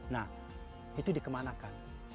nah itu dikemanakan